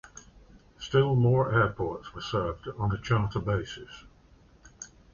Still more airports were served on a charter basis.